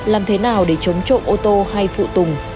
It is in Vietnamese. làm thế nào để chống trộm ô tô hay phụ tùng